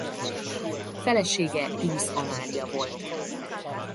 Felesége Ries Amália volt.